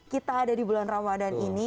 kita ada di bulan ramadan ini